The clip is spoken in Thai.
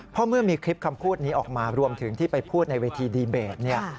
เพราะเมื่อมีคลิปคำพูดนี้ออกมารวมถึงที่ไปพูดในเวทีดีเบตเนี่ย